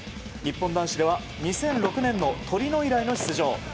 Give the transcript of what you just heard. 日本男子では２００６年のトリノ以来の出場。